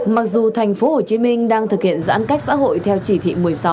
mặc dù tp hcm đang thực hiện giãn cách xã hội theo chỉ thị một mươi sáu